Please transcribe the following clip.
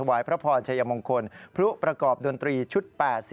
พระพรชัยมงคลพลุประกอบดนตรีชุด๘๐